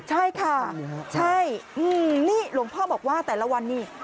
ใช่ค่ะใช่นี่หลวงพ่อบอกว่าแต่ละวันนี้